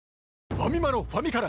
ファミマのファミから